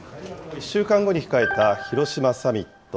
１週間後に控えた広島サミット。